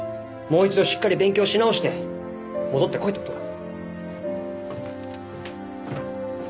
もう１度しっかり勉強し直して戻ってこいってことだ。